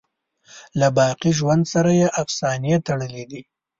له باقی ژوند سره یې افسانې تړلي دي.